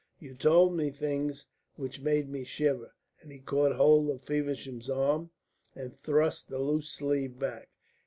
You told me things which made me shiver," and he caught hold of Feversham's arm and thrust the loose sleeve back.